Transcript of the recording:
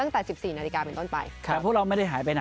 ช่วยเทพธรรมไทยรัช